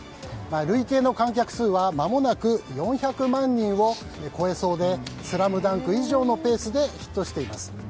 累計の観客数はまもなく４００万人を超えそうで「ＳＬＡＭＤＵＮＫ」以上のペースでヒットしています。